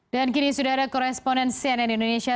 dan kini sudah ada koresponen cnn indonesia